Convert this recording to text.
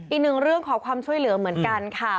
อีกหนึ่งเรื่องขอความช่วยเหลือเหมือนกันค่ะ